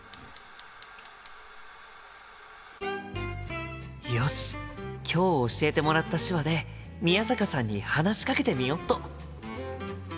心の声よし今日教えてもらった手話で宮坂さんに話しかけてみよっと！